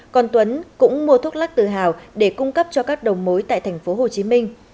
còn tuấn cũng mua thuốc lắc từ hào để cung cấp cho các đầu mối tại tp hcm